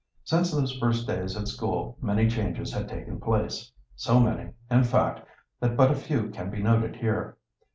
Since those first days at school many changes had taken place; so many, in fact, that but a few can be noted here.